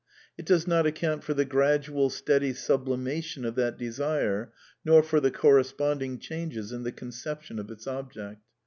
It does not ac count for the gradual, steady sublimation of that desire, nor for the corresponding changes in the conception of its object.